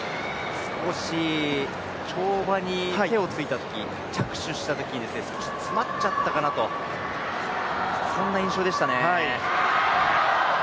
少し跳馬に手をついたとき、着手したときそして詰まっちゃったかなと、そんな印象でしたね。